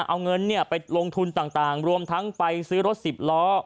เอาเงินไปลงทุนต่างรวมทั้งไปซื้อรถสิบล้อ